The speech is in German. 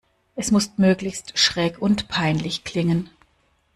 Es muss möglichst schräg und peinlich klingen.